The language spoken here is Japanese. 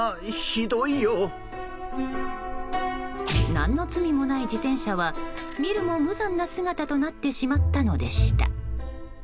何の罪もない自転車は見るも無残な姿となってしまったのでした。